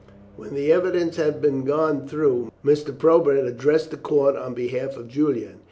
When the evidence had been gone through, Mr. Probert addressed the court on behalf of Julian.